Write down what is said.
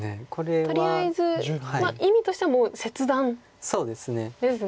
とりあえず意味としてはもう切断ですね。